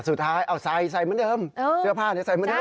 สุดท้ายเอาใส่ใส่เหมือนเดิมเสื้อผ้าใส่เหมือนเดิ